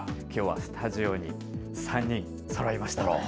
きょうはスタジオに３人、そろいました。